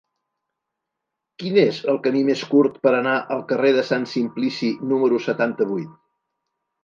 Quin és el camí més curt per anar al carrer de Sant Simplici número setanta-vuit?